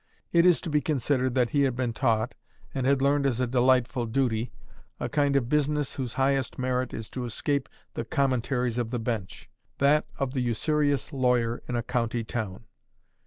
It is to be considered that he had been taught, and had learned as a delightful duty, a kind of business whose highest merit is to escape the commentaries of the bench: that of the usurious lawyer in a county town.